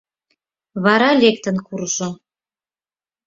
Вара лектын куржо.